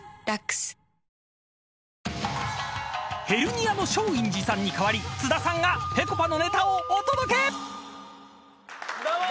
［ヘルニアの松陰寺さんに代わり津田さんがぺこぱのネタをお届け！］